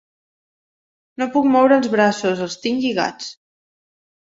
No puc moure els braços: els tinc lligats.